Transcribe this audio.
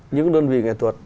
những đơn vị nghệ thuật